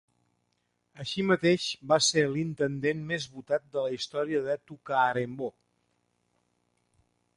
Així mateix, va ser l'intendent més votat de la història de Tacuarembó.